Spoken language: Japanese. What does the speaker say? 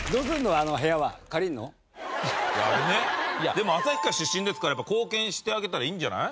でも旭川出身ですからやっぱ貢献してあげたらいいんじゃない？